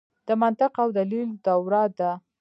د منطق او دلیل دوره ده.